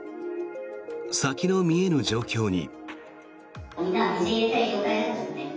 先の見えぬ状況に。